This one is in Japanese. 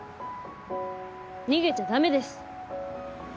逃げちゃダメです。